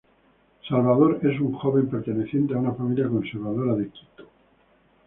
Salvador es un joven perteneciente a una familia conservadora de Quito.